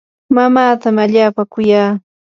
mamaatami allaapa kuya.